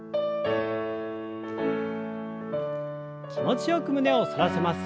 気持ちよく胸を反らせます。